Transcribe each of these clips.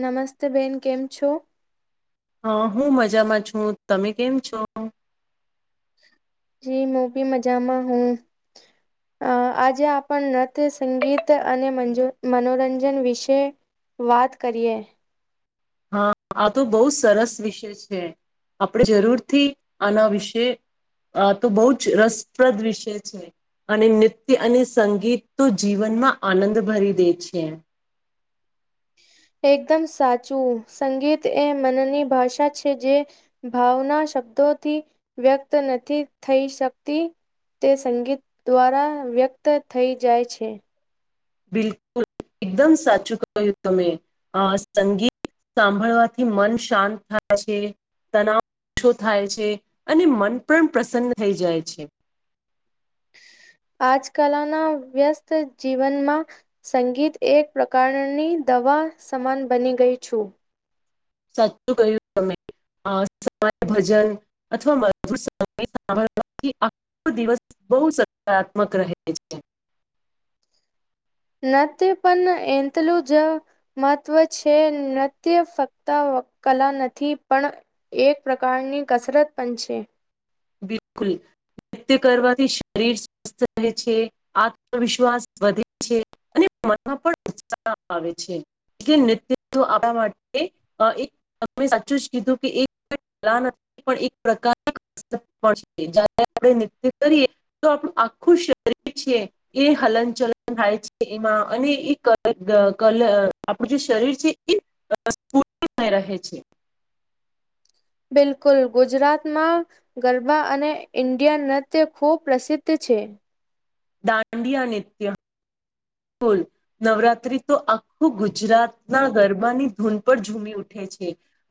નમસ્તે બેન કેમ છો? હા હું મજામાં છું તમે કેમ છો? જે મૂબી માં મજમાં હું. અ આજે આપણ નત સંગીત અને મજ મનોરંજન વિશે. વાત કરીએ. હા આ તો બહુ સરસ વિષય છે. આપણે જરૂરથી આના વિશે આ તો બહુ જ રસપ્રદ વિષય છે. અને નૃત્ય અને સંગીત તો જીવનમાં આનંદ ભરી દે છે. એકદમ સાચું સંગીત એ મનની ભાષા છે. જે ભાવના શબ્દોથી વ્યક્ત નથી થઈ શકતી તે સંગીત દ્વારા વ્યક્ત થઈ જાય છે. બિલકુલ એકદમ સાચું કહ્યું તમે આ સંગીત સાંભળવાથી મન શાંત થાય છે. તનાવ ઓછો થાય છે અને મન પણ પ્રસન્ન થઈ જાય છે. [inaudible] આજ કલના વ્યસ્ત જીવનમાં સંગીત એક પ્રકારની દવા સમાન બની ગઈ છું. સાચું કહ્યું તમે. અ સમય ભજન અથવા મધુર સંગીત [unintelligible] તો દિવસ બહુ સકારાત્મક રહે છે. [inaudible] નાતીવ પણ એંતલું જ મહત્વ છે નાતિયું ફક્ત વ કલા નથી પણ એક પ્રકારની કસરત પણ છે. બિલકુલ નૃત્ય કરવાથી શરીર સ્વસ્થ રહે છે આત્મવિશ્વાસ વધે છે અને મન પણ આવે નત્ય આપણા માટે, એક સાચું જ કીધું. સલા નથી પણ એક પ્રકાર. આપણે ન્ય કરીએ તો આપણું આખું શરીર છે એ. ચલન ચલન થાય છે. એમાં અને એ કલ આપણું જે શરીર છે એ. રખપુર મે રહે છે બિલકુલ ગુજરાતમાં ગરબા અને ઈન્ડિયા નૃત્ય ખુબ પ્રસિદ્ધ છે. છે. દાંડિયા નિત્ય. બલ નવરાત્રી તો આખું ગુજરાત ના ગરબાની ધૂન પર ઝૂમી ઉઠ. છે.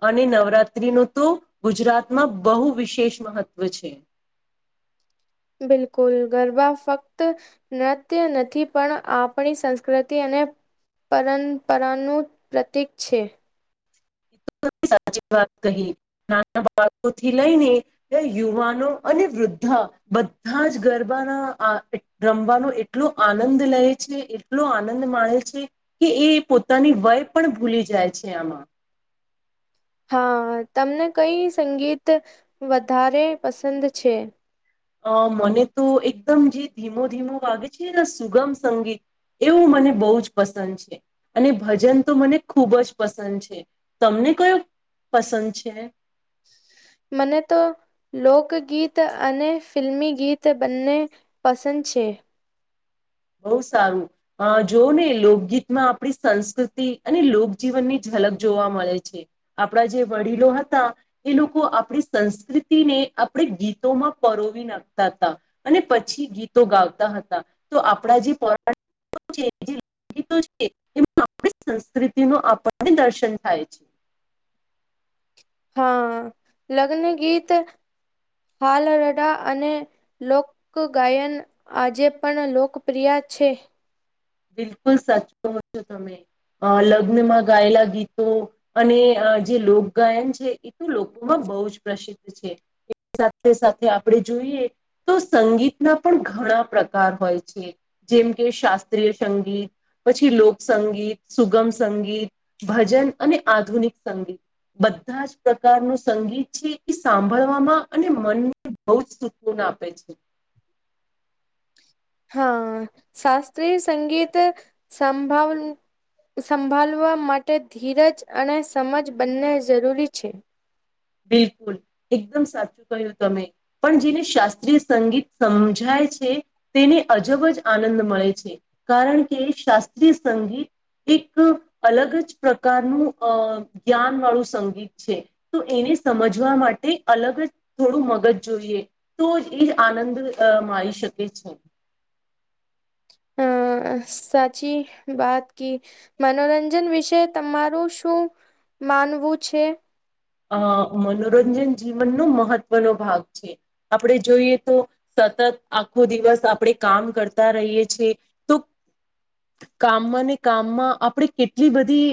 અને નવરાત્રી ન તો ગુજરાતમાં બહુ વિશેષ મહત્વ છે. [inaudible] બિલકુલ ગરબા ફક્ત નત્ય નથી પણ આપણી સંસ્કૃતિ અને અને પરંપરાનું પ્રતીક છે [inaudible] સાચી વાત કહી નાના બાળકોથી લઈને યુવાનો અને વૃદ્ધા બધા જ ગરબાના રમવાનો એટલો આનંદ લે છે એટલો આ આનંદ માણે છે કે એ પોતાની વય પણ ભૂલી જાય છે આમાં હા તમને કઈ સંગીત વધારે પસંદ છે અ મને તો એકદમ જે ધીમો ધીમો વાગે છે સુગમ સંગીત એવું મને બહુ જ પસંદ છે અને ભજન તો મને ખૂબ જ પસંદ છે તમને મને કોયો પસંદ છે મને તો લોકગીત અને ફિલ્મી ગીત બંને પસંદ છે બહ સારું જો ને લોકગીતમાં આપણી સંસ્કૃતિ અને લોકજીવનની જ લગ જોવા મળે છે આપણા જે વડીલો હતા એ લોકો આપણી સંસ્કૃતિને આપણે ગીતોમાં પરોવી નાખતા હતા અને પછી ગીતો ગાતા હતા તો આપણા જે પોરા છે જેી છે એમાં આપણી સંસ્કૃતિનું આપણને દર્શન થાય છે હા લગ્ન ગીત હાલ રડા અને લોકગાયન આજે પણ લોકપ્રિય પછે બિલકુલ સાચું છો તમે લગ્નમાં ગાયેલા ગીતો અને જે લોકગાયન છે એ તો લોકોમાં બહ જ પ્રસિદ્ધ છે સાથે સાથે આપણે જોઈએ તો સંગીતના પણ ઘણા પ્રકાર હોય છે જેમ કે શાસ્ સંગીત પછી લોકસંગીત સુગમ સંગીત ભજન અને આધુનિક સંગીત બધા જ પ્રકારનું સંગીત છે એ સાંભળવામાં અને મનને બહુ જ સુખ આપે છે [inaudible] હા શાસ્ત્રીય સંગીત સંભવ સંભાળવા માટે ધીરજ અને સમજ બંને જરૂરી છે બિલકુલ એકદમ સાચું કહ્યું તમે પણ જેને શાસ્ત્રીય સંગીત સમજાય તેને અજબ જ આનંદ મળે છે કારણ કે શાસ્ત્રીય સંગીત એક અલગ જ પ્રકારનું અ જ્ઞાન વાળું સંગીત છે તો એને સમજવા માટે અલગ જ થોડું મગજ જોઈએ તો એ જ આનંદ મા આવી શકે છે હમ સાચી વાત કે મનોરંજન વિશે તમારું શું માનવું છે આ મનોરંજન જીવનનો મહત્વનો ભાગ છે આપણે જોઈએ તો સતત આખો દિવસ આપણે. કામ કરતા રહીએ છ છીએ તો કામમાં ને કામમાં આપણે કેટલી બધી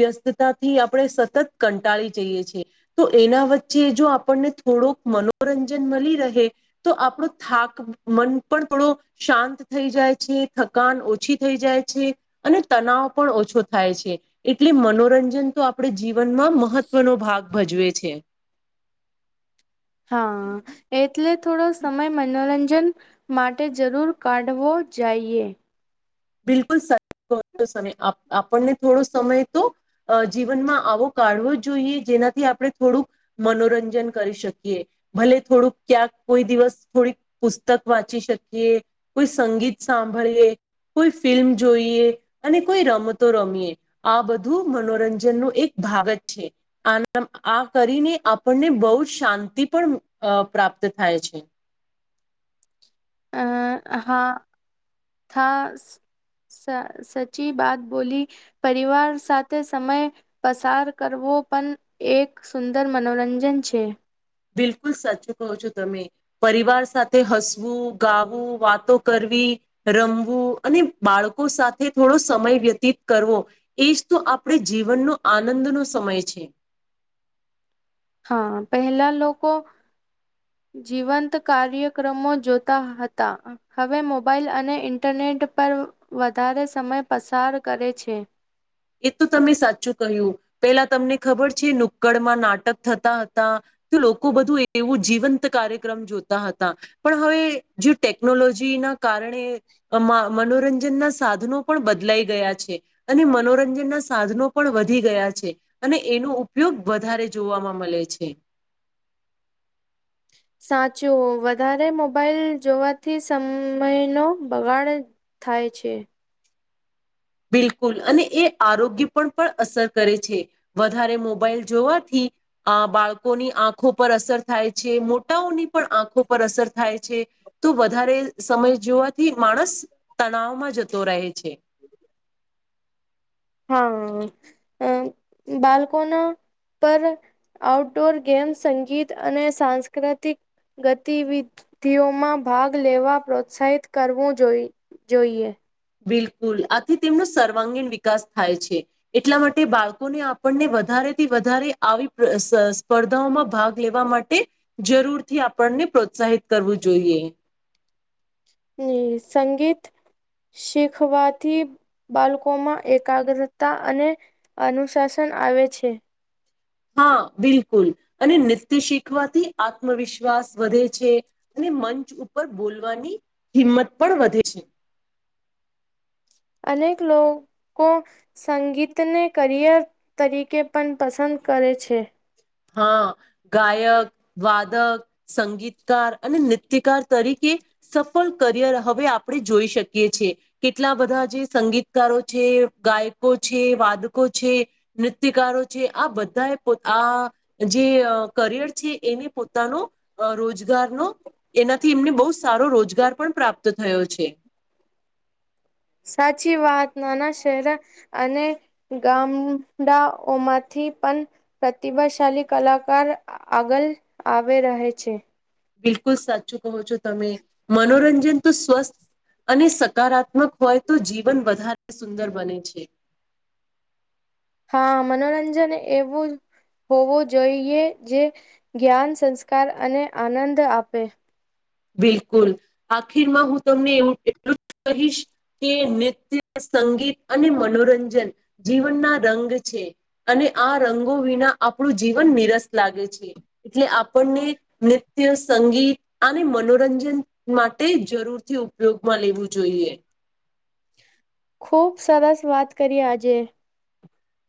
વ્યસ્તતાથી આપણે સતત કંટાળી જઈએ છીએ. તો એના વચ્ચે જો આપણને થોડોક મનોરંજન મળી રહે તો આપણો થાક થાક મન પણ થોડો શાંત થઈ જાય છે. થકાન ઓછી થઈ જાય છે અને તવ પણ ઓછો થાય છે એટલે મનોરંજન તો આપણે જીવનમાં મહત્વનો ભાગ ભજવે છે હા એટલે થોડો સમય મનોરંજન માટે જરૂર કાઢવો જઈએ બિલકુલ સ [inaudible] [inaudible] સમય આપ આપણને થોડો સમય તો અ જીવનમાં આવો કાઢવો જોઈએ, જે એનાથી આપણે થોડુંક મનોરંજન કરી શકીએ. ભલે થોડુંક ક્યાંક, કોઈ દિવસ થોડીક પુસ્તક વાંચી શકીએ, કોઈ સંગીત સાંભળીએ. કોઈ ફિલ્મ જોઈએ અને કોઈ રમતો રમીએ. આ બધું મનોરંજનનું એક ભાગત છે. આનમ આ કરીને આપણને બહુ જ શાંતિ પણ અ-પ્રાપ્ પ્ત થાય છે. અ-હા થાસ સ સચી બાત બોલી. પરિવાર સાથે સમય પસાર કરવો ઓ પન એક સુંદર મનોરંજન છે. બિલકુલ સાચું કહો છો તમે. પરિવાર સાથે હસવું, ગાવું, વાતો કરવી વી રમવું અને બાળકો સાથે થોડો સમય વ્યતીત કરવો એજ તો આપણે જીવનનો આનંદનો સમય છે. હા પહેલા લોકો જીવંત કાર્યક્રમો જોતા હતા. હવે મોબાઇલ અને ઇન્ટરનેટ ઇન્ટ પર વધારે સમય પસાર કરે છે. એ તો તમે સાચું કહ્યું. પેલા તમને ખબર છે. નુક્કડમાં નાટક થતા હતા તો લોકો બધું એ-એવું જીવંત કાર્યક્રમ જોતા હતા. પણ હવે જે ટેકનોલોજી ક્તિના કારણે અમા મનોરંજન ના સાધનો પણ બદલાઈ ગયા છે અને મનોરજન રંજનના સાધનો પણ વધી ગયા છે અને એનો ઉપયોગ વધારે જોવાવામાં મળે છે. [inaudible] સાચુ-ઉ વધારે મોબાઈલ જોવાથી સમયનો બગાડ થાય છે. બિલકુલ અને એ આરોગ્ય પણ પણ અસર કરે છે. વધારે મોબાઈલ જોવાથી આ બાળકોની આંખો પર અસર થાય છે, મોટાઓની પણ આંખો પર અસર થાય છે. તો વધારે સમય જોવાથી માણસ તણાવમાં જતો રહે છે. હા અમ-મ બાલકોના પર આઉટડોર ગેમ, સંગીત અને સાંસ્ક્રતિક ગતિવિ-ધિઓમાં ભાગ લેવા પ્રોત્સાહિત કરવું જોઈ જોઈએ. બિલકુલ, આથી તેમનો સર્વાંગીણ વિકાસ થાય છે એટલા માટે બાળકોને આપણને વધા વધારે થી વધારે આવી પ્ર-સ- સ્પર્ધાઓમાં ભાગ લેવા માટે જરૂરથી આપણને પ્ર પ્રોત્સાહિત કરવું જોઈએ. હમ-મ સંગીત શીખવાથી બાલકોમાં એકાગ્રતા અને અનુશાસન આવે છે. હા બિલકુલ, અને નૃત્ય શીખવાથી આત્મવિશ્વાસ વધે છે, ને મંચ ઉપર બોલવાની હિંમત પણ વધે છે. અનેક લોકો સંગીતને કરિયર તરીકે પણ પસંદ કરે છે. હા ગાયક, વાદ દ- સંગીતકાર અને નિત્યકાર તરીકે સફલ કરિયર હવે આપણે જોઈશું. શકીએ છે. કેટલા બધા જે સંગીતકારો છે, ગાયકો છે, વાદકો છે નૃત્યકારો છે. આ બધાએ પો આ-આ જે અ કરિયર છે એને પોતાનો અ રોજગારનો એનાથી એમને બહુ સારો રોજગાર પણ પ્રાપ્ત થયો છે. [inaudible] સાચી વાત. નાના શહેરા અને ગામ-ડા ઓમાંથી થી પન પ્રતિભાશાલી કલાકાર આ- આગલ આવે રહે છે. બિલકુલ સાચું કહો છો તમે. મનોરંજન તો સ્વસ્થ અને સકારાત્મક હોય તો જીવન વધારે સુંદર બને છે. હા મનોરંજન એવું હોવું જોઈએ જે જ્ઞાન સંસ્કાર અને આનંદ આપે. બિલકુલ આખીરમાં હું તમને એવું એટલું જ કહીશ કે નત્ય સંગીત અને મનોરંજન જીવનના રંગ છે અને આ રંગો વિના આપણું જીવન નિરસ લાગે છે. એટલે આપણને નુત્ય સંગીત મનોરંજન માટે જરૂરથી ઉપયોગમાં લેવું જોઈએ. ખૂબ સરસ વાત કરી આજે.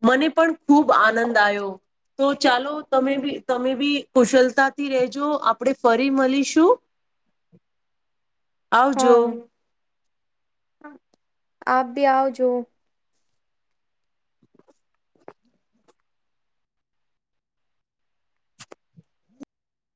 મને પણ ખૂબ આનંદ આયો. તો ચાલો તમે બી તમે બી કુશલતાથી રેજો આપણેે ફરી મળીશું. [inaudible] આવજો, હા આપ ભી આઓ જો,